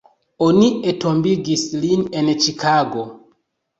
Oni entombigis lin en Ĉikago.